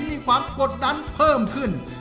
มีความกดดันเพิ่มขึ้น